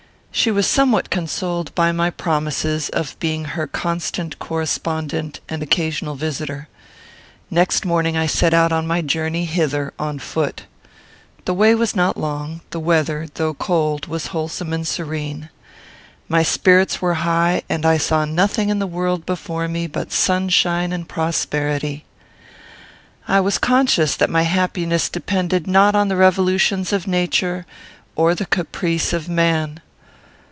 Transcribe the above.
She was somewhat consoled by my promises of being her constant correspondent and occasional visitor. Next morning I set out on my journey hither, on foot. The way was not long; the weather, though cold, was wholesome and serene. My spirits were high, and I saw nothing in the world before me but sunshine and prosperity. I was conscious that my happiness depended not on the revolutions of nature or the caprice of man.